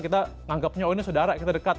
kita menganggapnya oh ini saudara kita dekat